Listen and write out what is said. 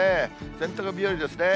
洗濯日和ですね。